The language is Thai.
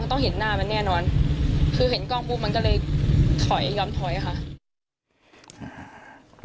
ต้องเห็นหน้ามันแน่นอนคือเห็นกล้องปุ๊บมันก็เลยถอยยอมถอยค่ะ